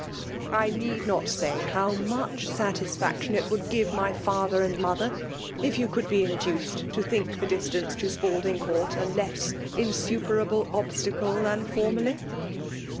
I need not say how much satisfaction it would give my father and mother, if you could be induced to think the distance to Spalding Court a less insuperable obstacle than formerly